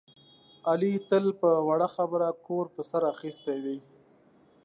علي تل په وړه خبره کور په سر اخیستی وي.